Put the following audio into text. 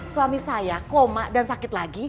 suami saya koma dan sakit lagi